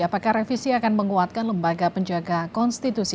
apakah revisi akan menguatkan lembaga penjaga konstitusi